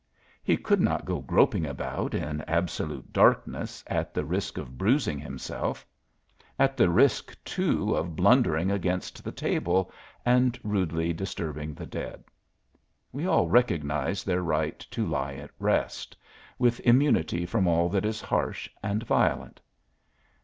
He could not go groping about in absolute darkness at the risk of bruising himself at the risk, too, of blundering against the table and rudely disturbing the dead. We all recognize their right to lie at rest, with immunity from all that is harsh and violent.